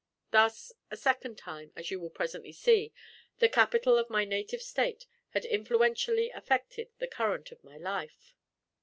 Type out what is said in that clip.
Thus a second time, as you will presently see, the capitol of my native State had influentially affected the current of my life.